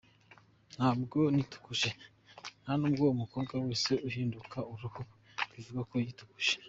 Ntabwo nitukuje, nta n’ubwo umukobwa wese uhinduka uruhu bivuga ko yitukuje.